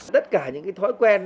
tất cả những thói quen